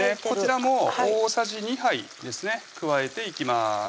こちらも大さじ２杯ですね加えていきます